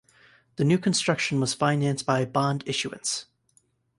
The new construction was financed by a bond issuance.